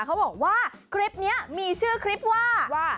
เขาบอกว่าคลิปนี้มีชื่อคลิปว่าว่า